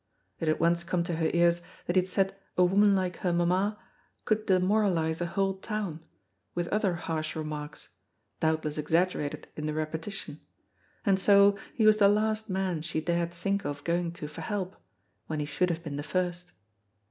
It had once come to her ears that he had said a woman like her mamma could demoralize a whole town, with other harsh remarks, doubtless exaggerated in the repetition, and so he was the last man she dared think of going to for help, when he should have been the first.